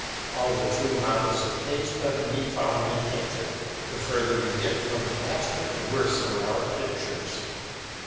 All the true models of taste are to be found in nature. The further we get from the master, the worse are our pictures.